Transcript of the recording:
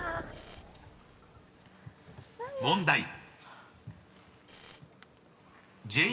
［問題］